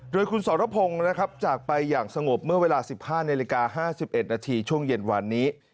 โดยคุณสรพงศ์นะครับจากไปอย่างสงบเมื่อเวลา๑๕นาฬิกา๕๑นาทีช่วงเย็นวันนี้